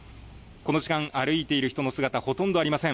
この時間、歩いている人の姿、ほとんどありません。